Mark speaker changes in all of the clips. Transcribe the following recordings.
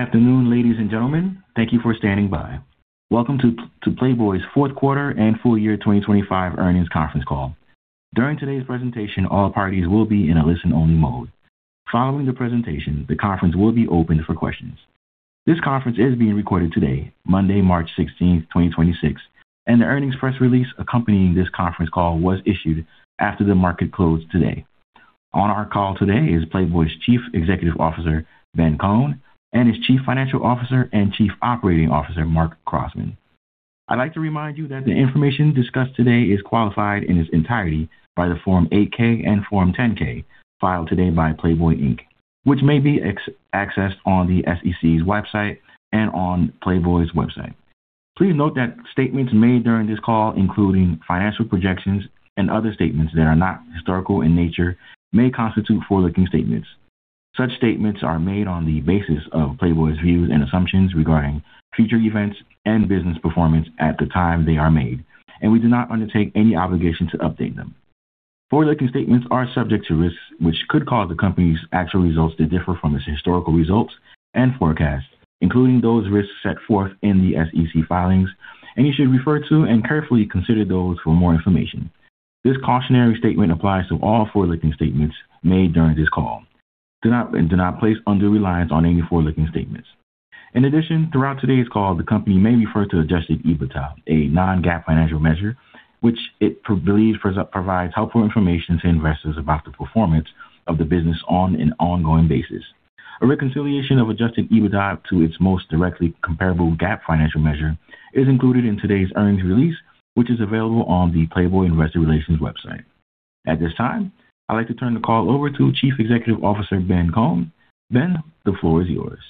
Speaker 1: Good afternoon, ladies and gentlemen. Thank you for standing by. Welcome to Playboy's Q4 and full year 2025 earnings conference call. During today's presentation, all parties will be in a listen-only mode. Following the presentation, the conference will be opened for questions. This conference is being recorded today, Monday, March 16, 2026, and the earnings press release accompanying this conference call was issued after the market closed today. On our call today is Playboy's Chief Executive Officer, Ben Kohn, and his Chief Financial Officer and Chief Operating Officer, Marc Crossman. I'd like to remind you that the information discussed today is qualified in its entirety by the Form 8-K and Form 10-K filed today by Playboy, Inc., which may be accessed on the SEC's website and on Playboy's website. Please note that statements made during this call, including financial projections and other statements that are not historical in nature, may constitute forward-looking statements. Such statements are made on the basis of Playboy's views and assumptions regarding future events and business performance at the time they are made, and we do not undertake any obligation to update them. Forward-looking statements are subject to risks which could cause the company's actual results to differ from its historical results and forecasts, including those risks set forth in the SEC filings, and you should refer to and carefully consider those for more information. This cautionary statement applies to all forward-looking statements made during this call. Do not place undue reliance on any forward-looking statements. In addition, throughout today's call, the company may refer to adjusted EBITDA, a non-GAAP financial measure which it believes provides helpful information to investors about the performance of the business on an ongoing basis. A reconciliation of adjusted EBITDA to its most directly comparable GAAP financial measure is included in today's earnings release, which is available on the Playboy Investor Relations website. At this time, I'd like to turn the call over to Chief Executive Officer Ben Kohn. Ben, the floor is yours.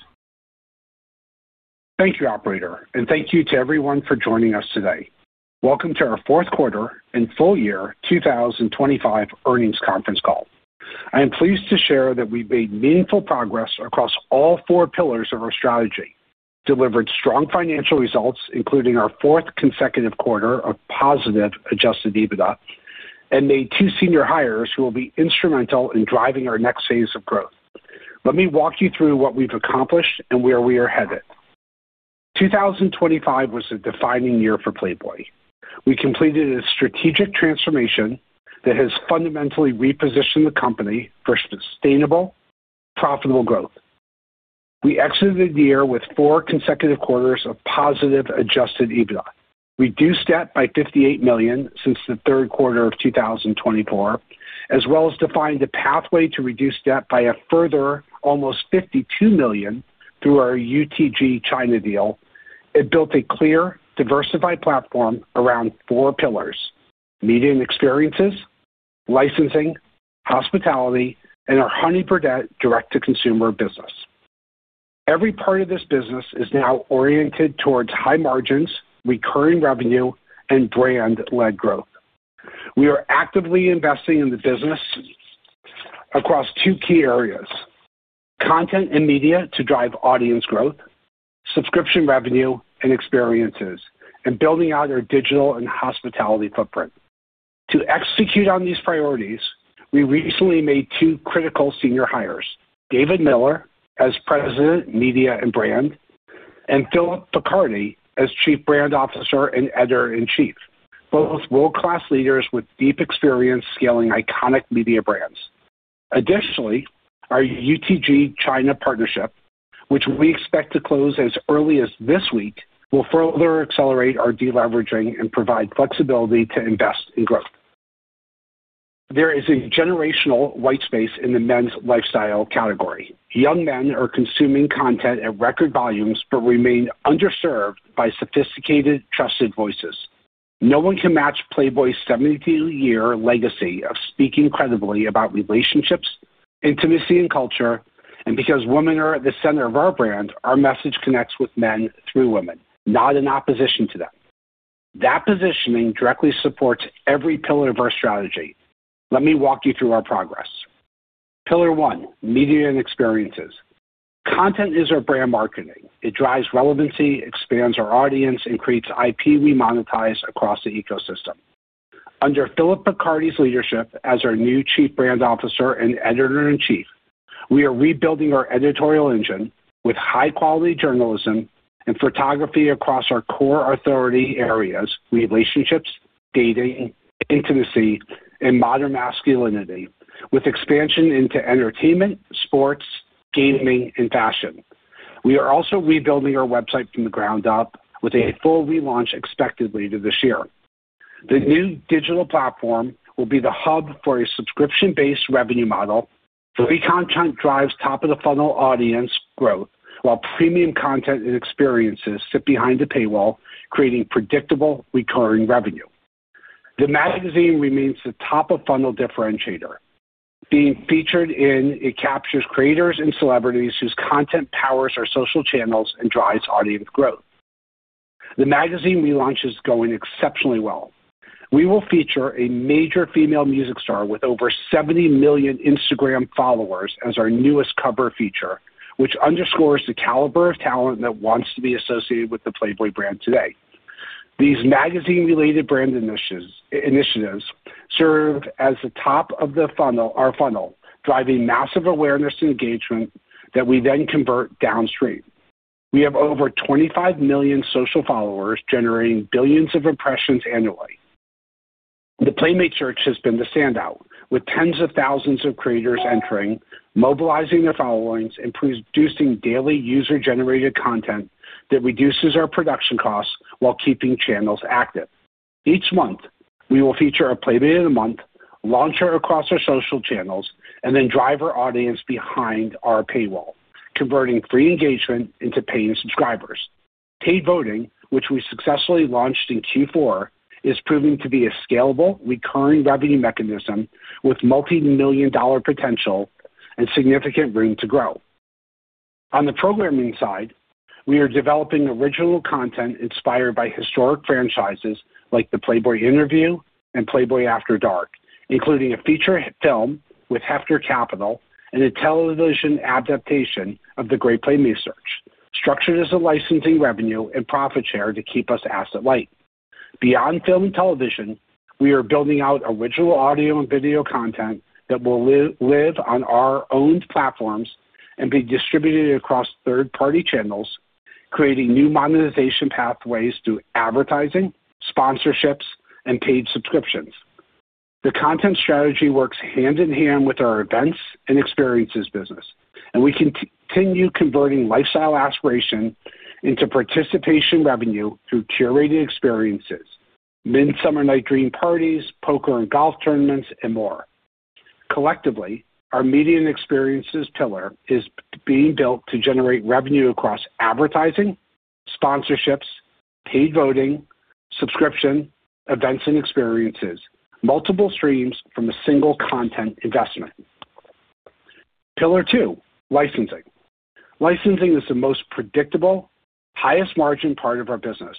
Speaker 2: Thank you, operator, and thank you to everyone for joining us today. Welcome to our Q4 and full year 2025 earnings conference call. I am pleased to share that we've made meaningful progress across all four pillars of our strategy, delivered strong financial results, including our fourth consecutive quarter of positive adjusted EBITDA, and made two senior hires who will be instrumental in driving our next phase of growth. Let me walk you through what we've accomplished and where we are headed. 2025 was a defining year for Playboy. We completed a strategic transformation that has fundamentally repositioned the company for sustainable, profitable growth. We exited the year with four consecutive quarters of positive adjusted EBITDA, reduced debt by $58 million since the Q3 of 2024, as well as defined the pathway to reduce debt by a further almost $52 million through our UTG China deal. It built a clear, diversified platform around four pillars, media and experiences, licensing, hospitality, and our Honey Birdette direct-to-consumer business. Every part of this business is now oriented towards high margins, recurring revenue, and brand-led growth. We are actively investing in the business across two key areas, content and media to drive audience growth, subscription revenue, and experiences, and building out our digital and hospitality footprint. To execute on these priorities, we recently made two critical senior hires, David Miller as President, Media and Brand, and Phillip Picardi as Chief Brand Officer and Editor-in-Chief, both world-class leaders with deep experience scaling iconic media brands. Additionally, our UTG China partnership, which we expect to close as early as this week, will further accelerate our deleveraging and provide flexibility to invest in growth. There is a generational white space in the men's lifestyle category. Young men are consuming content at record volumes but remain underserved by sophisticated, trusted voices. No one can match Playboy's 73-year legacy of speaking credibly about relationships, intimacy, and culture, and because women are at the center of our brand, our message connects with men through women, not in opposition to them. That positioning directly supports every pillar of our strategy. Let me walk you through our progress. Pillar one. Media and experiences. Content is our brand marketing. It drives relevancy, expands our audience, and creates IP we monetize across the ecosystem. Under Phillip Picardi's leadership as our new Chief Brand Officer and Editor-in-Chief, we are rebuilding our editorial engine with high-quality journalism and photography across our core authority areas, relationships, dating, intimacy, and modern masculinity, with expansion into entertainment, sports, gaming, and fashion. We are also rebuilding our website from the ground up with a full relaunch expected later this year. The new digital platform will be the hub for a subscription-based revenue model. Free content drives top-of-the-funnel audience growth while premium content and experiences sit behind the paywall, creating predictable recurring revenue. The magazine remains the top-of-funnel differentiator. Being featured in it captures creators and celebrities whose content powers our social channels and drives audience growth. The magazine relaunch is going exceptionally well. We will feature a major female music star with over 70 million Instagram followers as our newest cover feature, which underscores the caliber of talent that wants to be associated with the Playboy brand today. These magazine related brand initiatives serve as the top of the funnel, our funnel, driving massive awareness and engagement that we then convert downstream. We have over 25 million social followers generating billions of impressions annually. The Playmate Search has been the standout, with tens of thousands of creators entering, mobilizing their followings, and producing daily user-generated content that reduces our production costs while keeping channels active. Each month, we will feature a Playmate of the Month, launch her across our social channels, and then drive our audience behind our paywall, converting free engagement into paying subscribers. Paid voting, which we successfully launched in Q4, is proving to be a scalable, recurring revenue mechanism with multimillion-dollar potential and significant room to grow. On the programming side, we are developing original content inspired by historic franchises like the Playboy Interview and Playboy After Dark, including a feature film with Hefner Capital and a television adaptation of the Great Playmate Search, structured as a licensing revenue and profit share to keep us asset-light. Beyond film and television, we are building out original audio and video content that will live on our own platforms and be distributed across third-party channels, creating new monetization pathways through advertising, sponsorships, and paid subscriptions. The content strategy works hand in hand with our events and experiences business, and we continue converting lifestyle aspiration into participation revenue through curated experiences, Midsummer Night's Dream parties, poker and golf tournaments, and more. Collectively, our media and experiences pillar is being built to generate revenue across advertising, sponsorships, paid voting, subscription, events and experiences, multiple streams from a single content investment. Pillar two, licensing. Licensing is the most predictable, highest margin part of our business.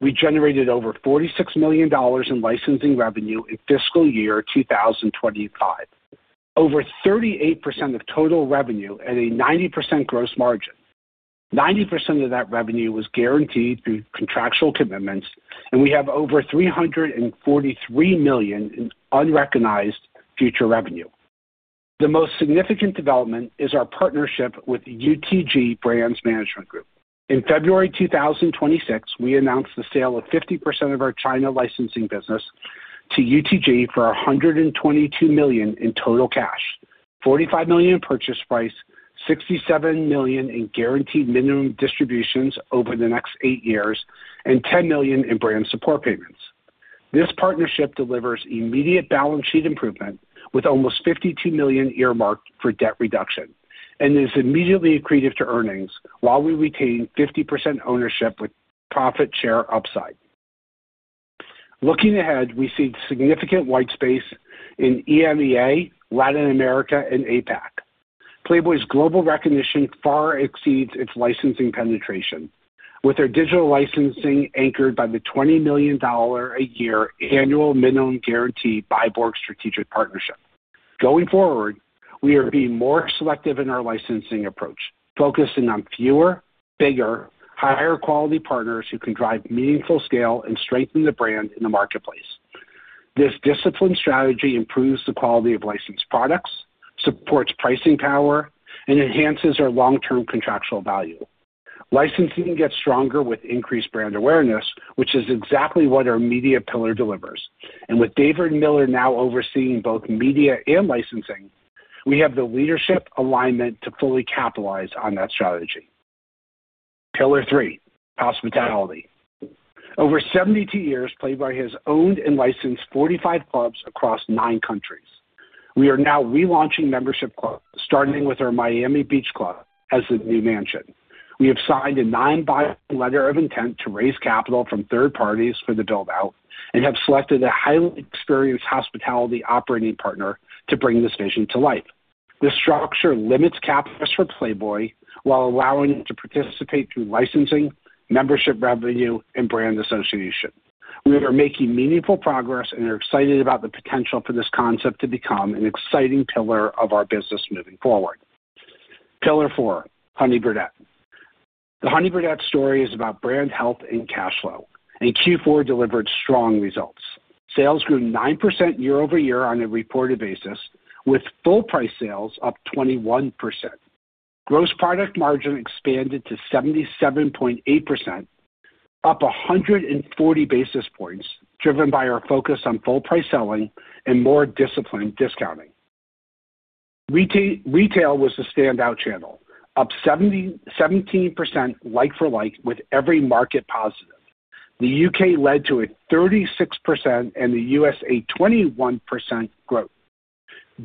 Speaker 2: We generated over $46 million in licensing revenue in fiscal year 2025. Over 38% of total revenue at a 90% gross margin. 90% of that revenue was guaranteed through contractual commitments, and we have over $343 million in unrecognized future revenue. The most significant development is our partnership with UTG Brands Management Group. In February 2026, we announced the sale of 50% of our China licensing business to UTG for $122 million in total cash, $45 million in purchase price, $67 million in guaranteed minimum distributions over the next eight years, and $10 million in brand support payments. This partnership delivers immediate balance sheet improvement with almost $52 million earmarked for debt reduction and is immediately accretive to earnings while we retain 50% ownership with profit share upside. Looking ahead, we see significant white space in EMEA, Latin America, and APAC. Playboy's global recognition far exceeds its licensing penetration, with our digital licensing anchored by the $20 million a year annual minimum guarantee by Bylogic Strategic Partnership. Going forward, we are being more selective in our licensing approach, focusing on fewer, bigger, higher quality partners who can drive meaningful scale and strengthen the brand in the marketplace. This disciplined strategy improves the quality of licensed products, supports pricing power, and enhances our long-term contractual value. Licensing gets stronger with increased brand awareness, which is exactly what our media pillar delivers. With David Miller now overseeing both media and licensing, we have the leadership alignment to fully capitalize on that strategy. Pillar three. Hospitality. Over 72 years, Playboy has owned and licensed 45 clubs across 9 countries. We are now relaunching membership clubs, starting with our Miami Beach Club as the new mansion. We have signed a non-binding letter of intent to raise capital from third parties for the build-out and have selected a highly experienced hospitality operating partner to bring this vision to life. This structure limits CapEx risk for Playboy while allowing us to participate through licensing, membership revenue, and brand association. We are making meaningful progress and are excited about the potential for this concept to become an exciting pillar of our business moving forward. Pillar four: Honey Birdette. The Honey Birdette story is about brand health and cash flow, and Q4 delivered strong results. Sales grew 9% year-over-year on a reported basis, with full price sales up 21%. Gross product margin expanded to 77.8%, up 140 basis points, driven by our focus on full price selling and more disciplined discounting. Retail was the standout channel, up 17% like for like with every market positive. The UK led with 36% and the US 21% growth.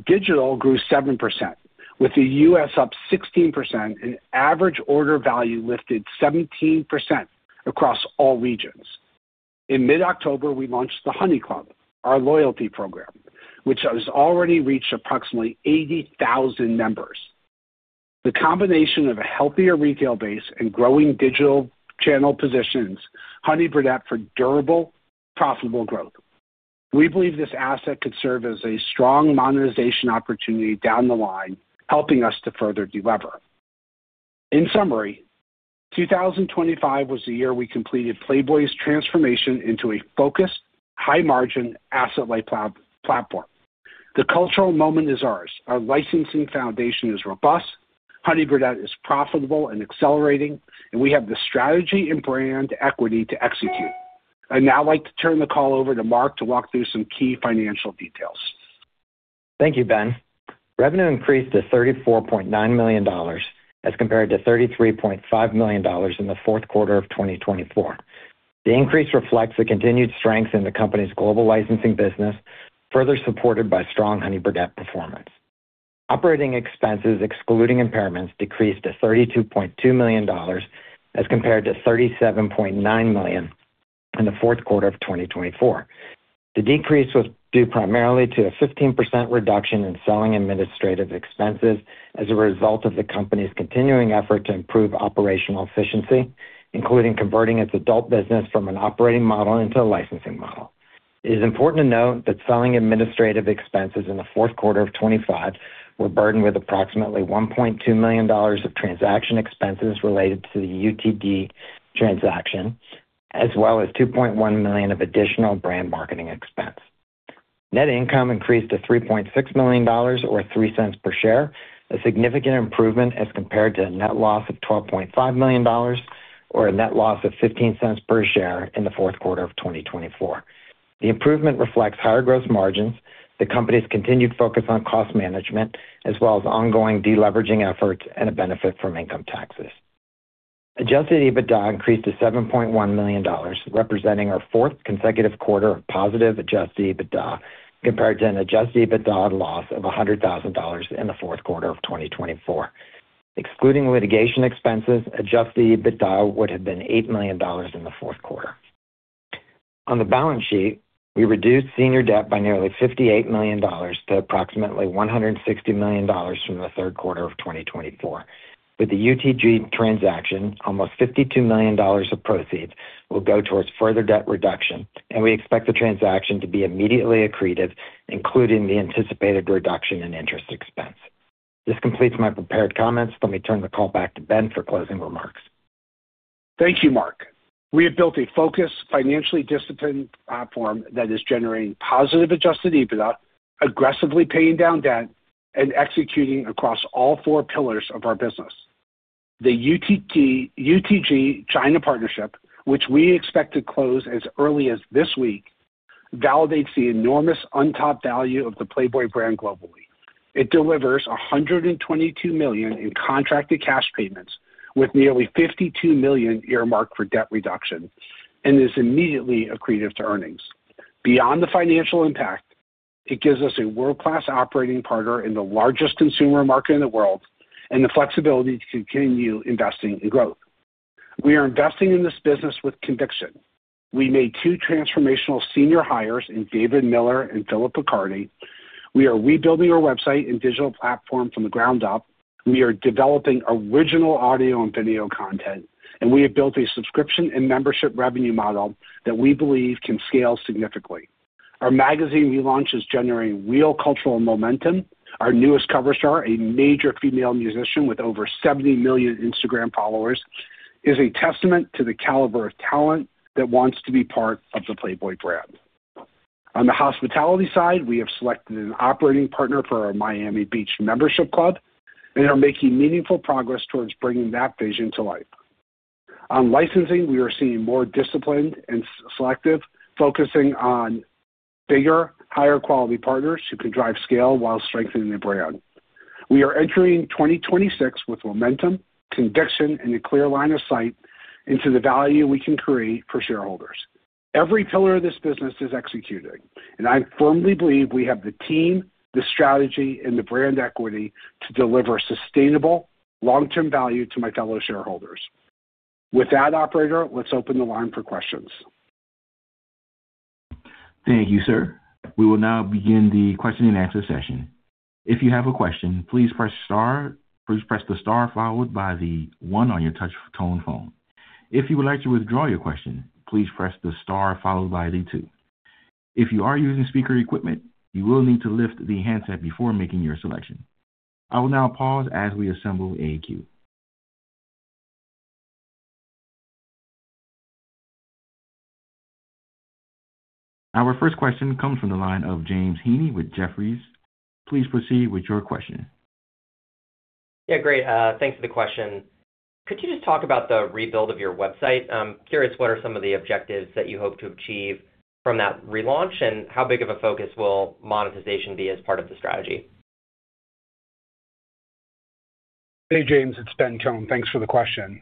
Speaker 2: Digital grew 7%, with the US up 16% and average order value lifted 17% across all regions. In mid-October, we launched the Honey Club, our loyalty program, which has already reached approximately 80,000 members. The combination of a healthier retail base and growing digital channel positions Honey Birdette for durable, profitable growth. We believe this asset could serve as a strong monetization opportunity down the line, helping us to further delever. In summary, 2025 was the year we completed Playboy's transformation into a focused high-margin asset-light platform. The cultural moment is ours. Our licensing foundation is robust. Honey Birdette is profitable and accelerating, and we have the strategy and brand equity to execute. I'd now like to turn the call over to Mark to walk through some key financial details.
Speaker 3: Thank you, Ben. Revenue increased to $34.9 million as compared to $33.5 million in the Q4 of 2024. The increase reflects the continued strength in the company's global licensing business, further supported by strong Honey Birdette performance. Operating expenses, excluding impairments, decreased to $32.2 million, as compared to $37.9 million in the Q4 of 2024. The decrease was due primarily to a 15% reduction in selling administrative expenses as a result of the company's continuing effort to improve operational efficiency, including converting its adult business from an operating model into a licensing model. It is important to note that selling, general and administrative expenses in the Q4 of 2025 were burdened with approximately $1.2 million of transaction expenses related to the UTG transaction, as well as $2.1 million of additional brand marketing expense. Net income increased to $3.6 million, or 3 cents per share, a significant improvement as compared to a net loss of $12.5 million, or a net loss of 15 cents per share in the Q4 of 2024. The improvement reflects higher gross margins, the company's continued focus on cost management, as well as ongoing deleveraging efforts and a benefit from income taxes. Adjusted EBITDA increased to $7.1 million, representing our fourth consecutive quarter of positive adjusted EBITDA, compared to an adjusted EBITDA loss of $100,000 in the Q4 of 2024. Excluding litigation expenses, adjusted EBITDA would have been $8 million in the Q4. On the balance sheet, we reduced senior debt by nearly $58 million to approximately $160 million from the Q3 of 2024. With the UTG transaction, almost $52 million of proceeds will go towards further debt reduction, and we expect the transaction to be immediately accretive, including the anticipated reduction in interest expense. This completes my prepared comments. Let me turn the call back to Ben for closing remarks.
Speaker 2: Thank you, Marc. We have built a focused, financially disciplined platform that is generating positive adjusted EBITDA, aggressively paying down debt and executing across all four pillars of our business. The UTG China partnership, which we expect to close as early as this week, validates the enormous untapped value of the Playboy brand globally. It delivers $122 million in contracted cash payments with nearly $52 million earmarked for debt reduction and is immediately accretive to earnings. Beyond the financial impact, it gives us a world-class operating partner in the largest consumer market in the world and the flexibility to continue investing in growth. We are investing in this business with conviction. We made two transformational senior hires in David Miller and Phillip Picardi. We are rebuilding our website and digital platform from the ground up. We are developing original audio and video content, and we have built a subscription and membership revenue model that we believe can scale significantly. Our magazine relaunch is generating real cultural momentum. Our newest cover star, a major female musician with over 70 million Instagram followers, is a testament to the caliber of talent that wants to be part of the Playboy brand. On the hospitality side, we have selected an operating partner for our Miami Beach membership club and are making meaningful progress towards bringing that vision to life. On licensing, we are seeing more disciplined and selective, focusing on bigger, higher quality partners who can drive scale while strengthening the brand. We are entering 2026 with momentum, conviction and a clear line of sight into the value we can create for shareholders. Every pillar of this business is executing, and I firmly believe we have the team, the strategy and the brand equity to deliver sustainable long-term value to my fellow shareholders. With that, operator, let's open the line for questions.
Speaker 1: Thank you, sir. We will now begin the question and answer session. If you have a question, please press star. Please press the star followed by the one on your touch tone phone. If you would like to withdraw your question, please press the star followed by the two. If you are using speaker equipment, you will need to lift the handset before making your selection. I will now pause as we assemble a queue. Our first question comes from the line of James Heaney with Jefferies. Please proceed with your question.
Speaker 4: Yeah, great. Thanks for the question. Could you just talk about the rebuild of your website? I'm curious, what are some of the objectives that you hope to achieve from that relaunch, and how big of a focus will monetization be as part of the strategy?
Speaker 2: Hey, James, it's Ben Kohn. Thanks for the question.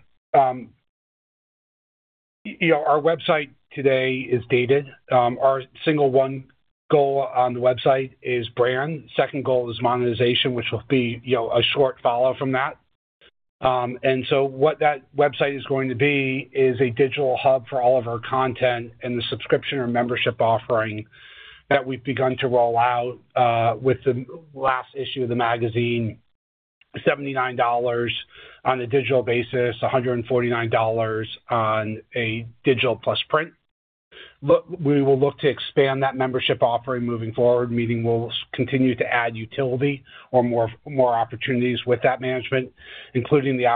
Speaker 2: You know, our website today is dated. Our number one goal on the website is brand. Second goal is monetization, which will be, a short follow from that. What that website is going to be is a digital hub for all of our content and the subscription or membership offering that we've begun to roll out with the last issue of the magazine, $79 on a digital basis, $149 on a digital plus print. Look, we will look to expand that membership offering moving forward, meaning we'll continue to add utility or more opportunities with that membership, including the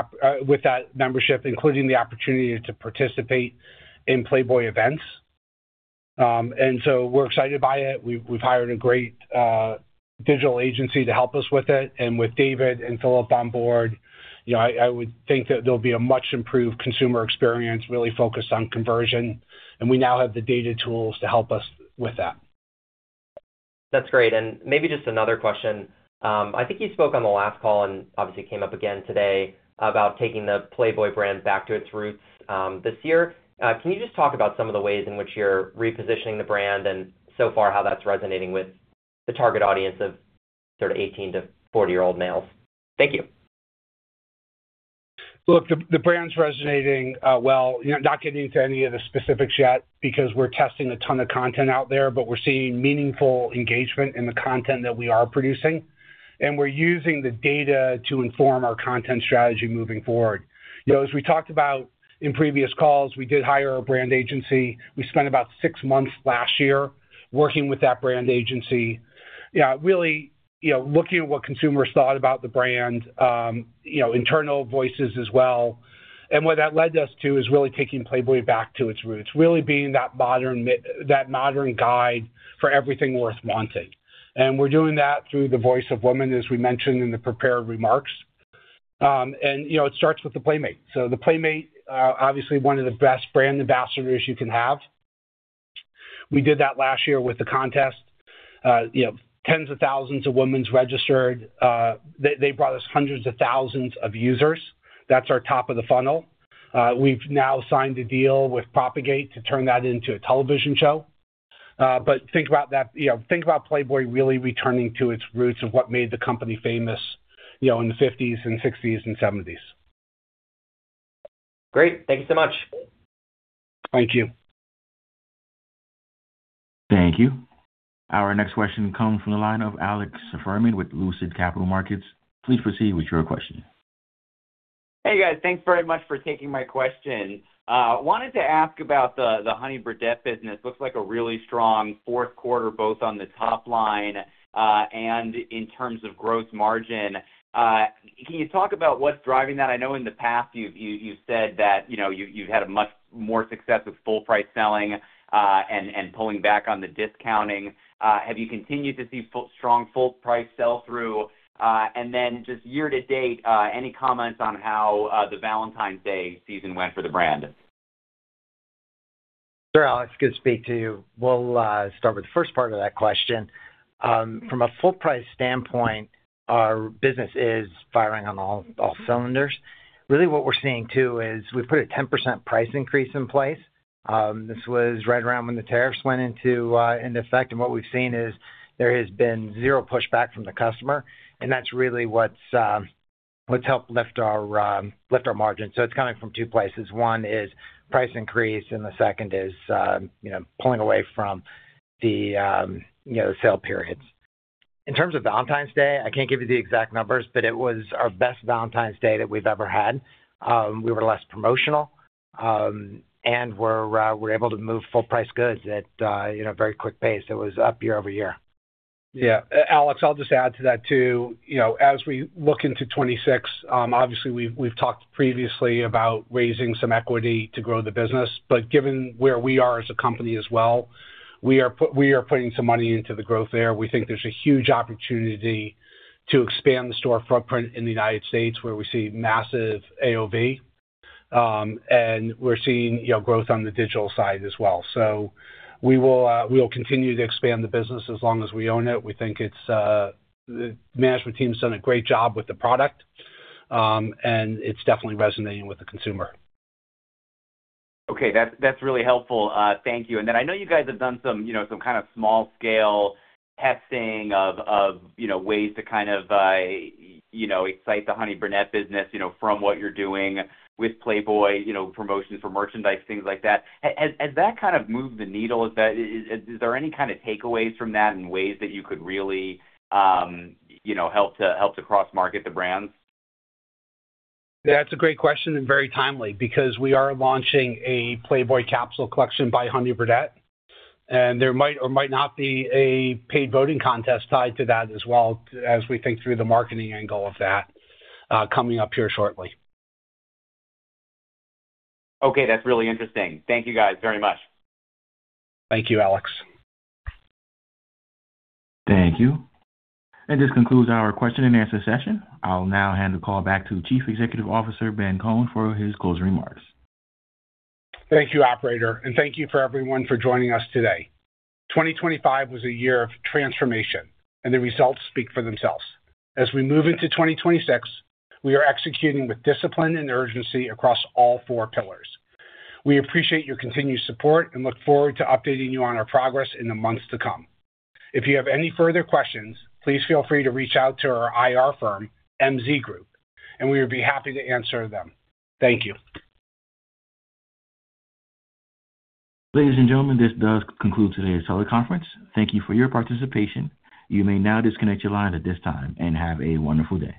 Speaker 2: opportunity to participate in Playboy events. We're excited by it. We've hired a great digital agency to help us with it. With David and Phillip on board, I would think that there'll be a much-improved consumer experience really focused on conversion, and we now have the data tools to help us with that.
Speaker 4: That's great. Maybe just another question. I think you spoke on the last call and obviously came up again today about taking the Playboy brand back to its roots, this year. Can you just talk about some of the ways in which you're repositioning the brand and so far, how that's resonating with the target audience of sort of 18- to 40-year-old males? Thank you.
Speaker 2: Look, the brand's resonating well. You know, not getting into any of the specifics yet because we're testing a ton of content out there, but we're seeing meaningful engagement in the content that we are producing. We're using the data to inform our content strategy moving forward. You know, as we talked about in previous calls, we did hire a brand agency. We spent about six months last year working with that brand agency. Yeah, really, looking at what consumers thought about the brand, internal voices as well. What that led us to is really taking Playboy back to its roots, really being that modern guide for everything worth wanting. We're doing that through the voice of women, as we mentioned in the prepared remarks. You know, it starts with the Playmate. The Playmate, obviously one of the best brand ambassadors you can have. We did that last year with the contest. You know, tens of thousands of women registered. They brought us hundreds of thousands of users. That's our top of the funnel. We've now signed a deal with Propagate Content to turn that into a television show. Think about that. You know, think about Playboy really returning to its roots of what made the company famous, in the fifties and sixties and seventies.
Speaker 4: Great. Thank you so much.
Speaker 2: Thank you.
Speaker 1: Thank you. Our next question comes from the line of Alex Fuhrman with Lucid Capital Markets. Please proceed with your question.
Speaker 5: Hey, guys. Thanks very much for taking my question. Wanted to ask about the Honey Birdette business. Looks like a really strong Q4, both on the top line and in terms of gross margin. Can you talk about what's driving that? I know in the past you've said that, you've had much more success with full price selling and pulling back on the discounting. Have you continued to see strong full price sell-through? And then just year to date, any comments on how the Valentine's Day season went for the brand?
Speaker 6: Sure, Alex, good to speak to you. We'll start with the first part of that question. From a full price standpoint, our business is firing on all cylinders. Really what we're seeing too is we put a 10% price increase in place. This was right around when the tariffs went into effect. What we've seen is there has been zero pushback from the customer, and that's really what's helped lift our margins. It's coming from two places. One is price increase, and the second is, pulling away from the, sale periods. In terms of Valentine's Day, I can't give you the exact numbers, but it was our best Valentine's Day that we've ever had. We were less promotional, and we're able to move full price goods at a, very quick pace. It was up year-over-year.
Speaker 2: Yeah. Alex, I'll just add to that too. You know, as we look into 2026, obviously we've talked previously about raising some equity to grow the business. Given where we are as a company as well, we are putting some money into the growth there. We think there's a huge opportunity to expand the store footprint in the United States where we see massive AOV, and we're seeing, growth on the digital side as well. We will continue to expand the business as long as we own it. We think it's the management team's done a great job with the product, and it's definitely resonating with the consumer.
Speaker 5: Okay. That's really helpful. Thank you. Then I know you guys have done some kind of small scale testing of, ways to kind of, excite the Honey Birdette business, from what you're doing with Playboy, promotions for merchandise, things like that. Has that kind of moved the needle? Are there any kind of takeaways from that in ways that you could really, help to cross-market the brands?
Speaker 2: That's a great question and very timely because we are launching a Playboy capsule collection by Honey Birdette, and there might or might not be a paid voting contest tied to that as well as we think through the marketing angle of that, coming up here shortly.
Speaker 5: Okay. That's really interesting. Thank you, guys, very much.
Speaker 2: Thank you, Alex.
Speaker 1: Thank you. This concludes our question-and-answer session. I'll now hand the call back to the Chief Executive Officer, Ben Kohn, for his closing remarks.
Speaker 2: Thank you, operator, and thank you for everyone for joining us today. 2025 was a year of transformation, and the results speak for themselves. As we move into 2026, we are executing with discipline and urgency across all four pillars. We appreciate your continued support and look forward to updating you on our progress in the months to come. If you have any further questions, please feel free to reach out to our IR firm, MZ Group, and we would be happy to answer them. Thank you.
Speaker 1: Ladies and gentlemen, this does conclude today's teleconference. Thank you for your participation. You may now disconnect your line at this time and have a wonderful day.